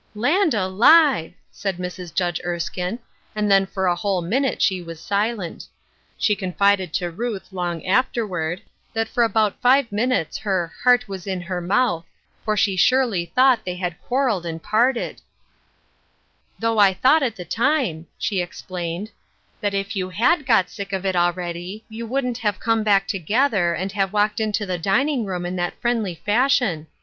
" Land alive !" said Mrs. Judge Erskine, and then for a whole minute she was silent. She confided to Ruth, long afterward, that for about five minutes her " heart was in her mouth," for she surely thought they had quarrelled and parted I " Though I thought at the time," she explained, *' that if you had got sick of it a'ready you wouldn't have come back together, and have walked into the dining room in that friendly A Sister Needed, 315 fashion.